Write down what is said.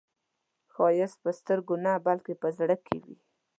ښایست په سترګو نه، بلکې په زړه کې وي